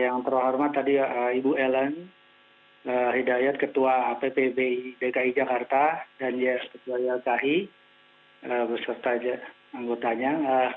yang terhormat tadi ibu ellen hidayat ketua appbi dki jakarta dan ys ketua ylki berserta anggotanya